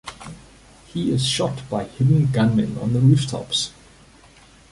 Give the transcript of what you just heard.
He is shot by hidden gunmen on the rooftops.